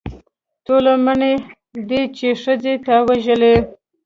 ټولو منلې ده چې ښځه تا وژلې.